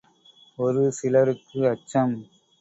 ஒரு சிலருக்கு அச்சம்.